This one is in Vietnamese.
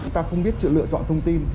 chúng ta không biết lựa chọn thông tin